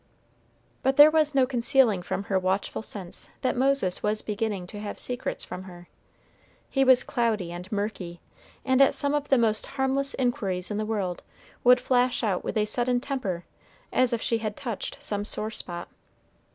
But there was no concealing from her watchful sense that Moses was beginning to have secrets from her. He was cloudy and murky; and at some of the most harmless inquiries in the world, would flash out with a sudden temper, as if she had touched some sore spot.